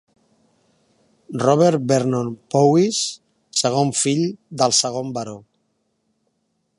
Robert Vernon Powys, segon fill del segon Baró.